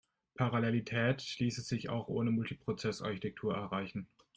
Parallelität ließe sich auch ohne Multiprozess-Architektur erreichen.